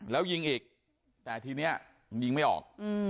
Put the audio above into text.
แล้วยิงอีกแต่ทีนี้ยิงไม่ออก